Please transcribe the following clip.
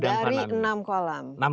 dari enam kolam